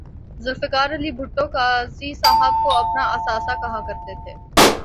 ذوالفقار علی بھٹو قاضی صاحب کو اپنا اثاثہ کہا کر تے تھے